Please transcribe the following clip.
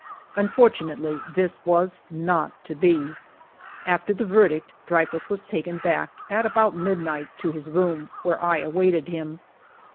Unfortunately this was not to be. After the verdict, Dreyfus was taken back, at about midnight, to his room, where I awaited him.